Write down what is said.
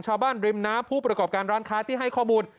ริมน้ำผู้ประกอบการร้านค้าที่ให้ข้อมูล